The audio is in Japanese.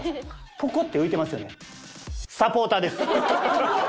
ポコッて浮いてますよね。